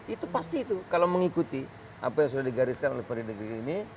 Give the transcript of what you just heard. itu pasti itu kalau mengikuti apa yang sudah digariskan oleh prideg rizik ini